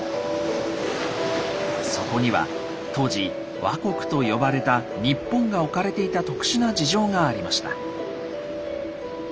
そこには当時「倭国」と呼ばれた日本が置かれていた特殊な事情がありました。